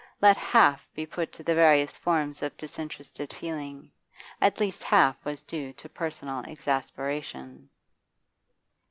Let half be put to the various forms of disinterested feeling, at least half was due to personal exasperation.